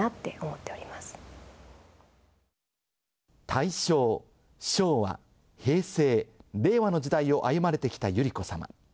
大正、昭和、平成、令和の時代を歩まれてきた百合子さま。